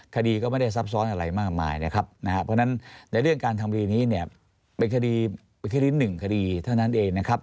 คดีก็ไม่ได้ซับซ้อนอะไรมากมายนะครับนะครับเพราะฉะนั้นในเรื่องการทำคดีนี้เนี่ยเป็นคดีหนึ่งคดีเท่านั้นเองนะครับ